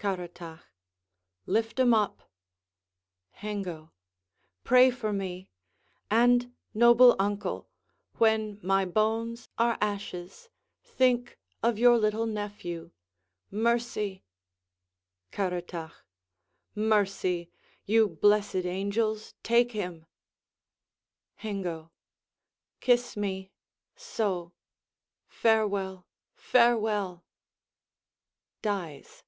Caratach Lift 'em up. Hengo Pray for me; And, noble uncle, when my bones are ashes, Think of your little nephew! Mercy! Caratach Mercy! You blessèd angels, take him! Hengo Kiss me: so. Farewell, farewell! [_Dies.